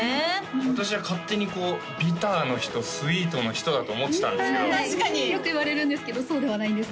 私は勝手にこうビターの人スウィートの人だと思ってたんですけどよく言われるんですけどそうではないんです